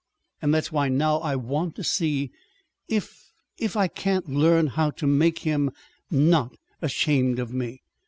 And that's why, now, I want to see if if I can't learn how to to make him not ashamed of me.